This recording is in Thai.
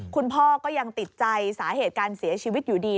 คุณพ่อก็ยังติดใจสาเหตุการเสียชีวิตอยู่ดี